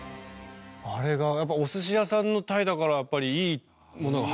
あれがやっぱお寿司屋さんの鯛だからやっぱりいいものが入ってるのかな？